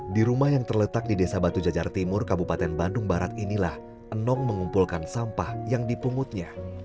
di rumah yang terletak di desa batu jajar timur kabupaten bandung barat inilah enong mengumpulkan sampah yang dipungutnya